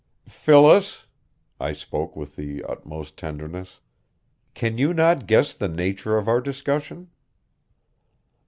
Phyllis," I spoke with the utmost tenderness "can you not guess the nature of our discussion?"